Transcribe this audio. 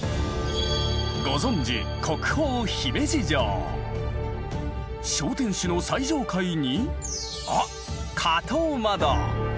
ご存じ小天守の最上階にあっ！